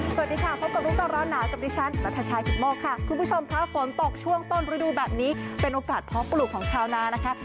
สวัสดีค่ะพบกับรู้ก่อนร้อนหนาวกับดิฉันนัทชายกิตโมกค่ะคุณผู้ชมค่ะฝนตกช่วงต้นฤดูแบบนี้เป็นโอกาสเพาะปลูกของชาวนานะคะ